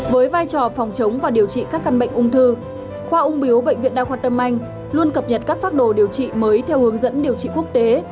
với vai trò phòng chống và điều trị các căn bệnh ung thư khoa ung biếu bệnh viện đa khoa tâm anh luôn cập nhật các phác đồ điều trị mới theo hướng dẫn điều trị quốc tế